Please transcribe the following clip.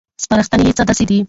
سپارښتنې یې څه داسې دي: